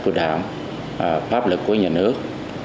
của đảng pháp lực của nhà nước